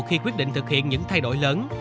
khi quyết định thực hiện những thay đổi lớn